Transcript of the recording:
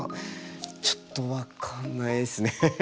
ちょっと分かんないですね。